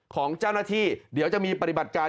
ของเจ้าหน้าที่เดี๋ยวจะมีปฏิบัติการ